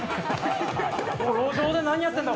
路上で何やってるんだ？